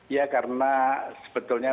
iya karena sebetulnya